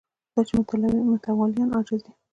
دا چې متولیان عاجزه دي